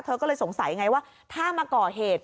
เธอก็เลยสงสัยไงว่าถ้ามาก่อเหตุ